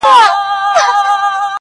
لېونتوب غواړم چي د کاڼو په ویشتلو ارزي,